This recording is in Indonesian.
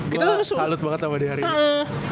gue salut banget sama di hari ini